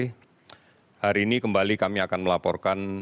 hari ini kembali kami akan melaporkan